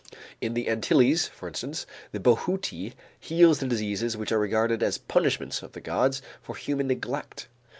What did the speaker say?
In the Antilles, for instance, the bohuti heals the diseases which are regarded as punishments of the gods for human neglect.